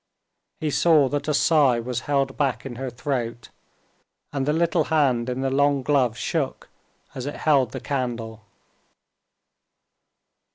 He saw that a sigh was held back in her throat, and the little hand in the long glove shook as it held the candle.